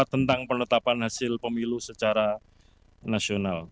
tentang penetapan hasil pemilu secara nasional